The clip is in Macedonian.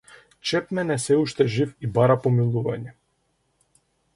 Чепмен е сѐ уште жив и бара помилување.